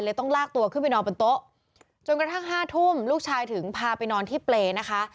ต้องลากตัวขึ้นไปนอนบนโต๊ะจนกระทั่งห้าทุ่มลูกชายถึงพาไปนอนที่เปรย์นะคะ